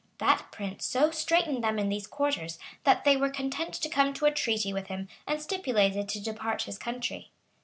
That prince so straitened them in these quarters, that they were content to come to a treaty with him, and stipulated to depart his country.